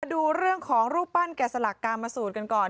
ดูเรื่องของรูปปั้นแก่สลักกามสูตรกันก่อน